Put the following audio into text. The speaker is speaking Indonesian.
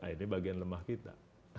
ini bagian lemah kita